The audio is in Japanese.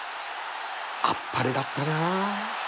あっぱれだったな